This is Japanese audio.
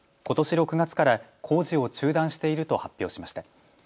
６月から工事を中断していると発表しました。